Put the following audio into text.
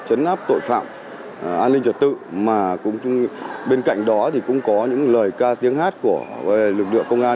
chấn áp tội phạm an ninh trật tự mà bên cạnh đó thì cũng có những lời ca tiếng hát của lực lượng công an